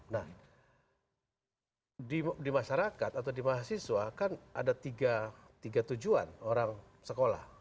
nah di masyarakat atau di mahasiswa kan ada tiga tujuan orang sekolah